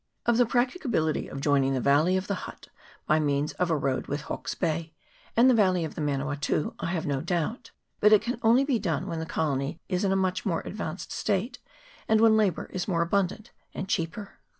Of the practicability of joining the valley of the Hutt by means of a road with Hawke's Bay and the valley of the Manawatu, I have no doubt ; but it can only be done when the colony is in a much more advanced state, and when labour is more abundant and cheaper.